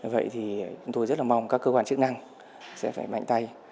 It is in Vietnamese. vậy thì chúng tôi rất là mong các cơ quan chức năng sẽ phải mạnh tay